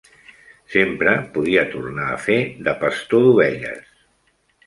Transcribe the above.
Sempre podia tornar a fer de pastor d'ovelles.